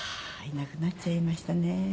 いなくなっちゃいましたね。